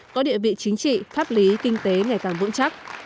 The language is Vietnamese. có địa vị chính trị pháp lý kinh tế ngày càng vững chắc